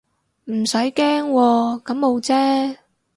唔使驚喎，感冒啫